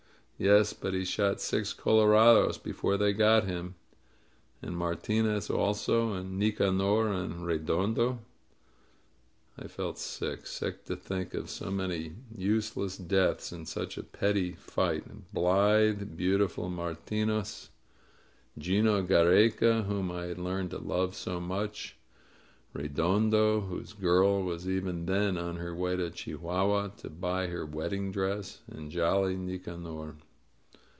Yes, but he shot six colorados before they got him. And Martinez also, and Nicanor, and Redondo." I felt sick. Sick to think of so many useless deaths in such a petty fight. Blithe, beautiful Martinez; 'Gino Giiereca, whom I had learned to love so much ; Redondo, whose girl was even then on her way to Chi huahua to buy her wedding dress; and jolly Nicanor.